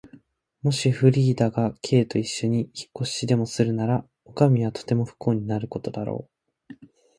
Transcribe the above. もしフリーダが Ｋ といっしょに引っ越しでもするなら、おかみはとても不幸になることだろう。